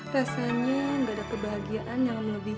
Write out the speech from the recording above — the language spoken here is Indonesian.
rasanya nggak ada kebahagiaan yang lebih